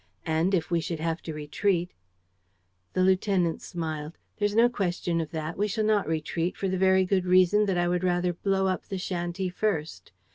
And, if we should have to retreat. ..." The lieutenant smiled: "There's no question of that. We shall not retreat, for the very good reason that I would rather blow up the shanty first.